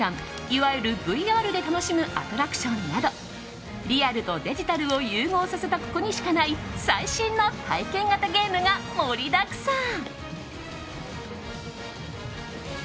いわゆるＶＲで楽しむアトラクションなどリアルとデジタルを融合させたここにしかない最新の体験型ゲームが盛りだくさん。